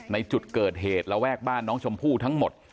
ในจุดเกิดเหตุระแวกบ้านน้องชมพู่ทั้งหมด